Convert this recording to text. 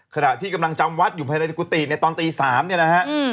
ขณะที่กำลังจำวัดอยู่ในตีในตอนตีสามเนี่ยนะฮะอืม